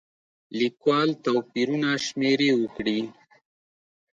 لیکوال توپیرونه شمېرې وکړي.